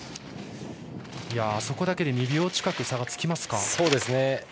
そこだけで２秒近く差がつきますか。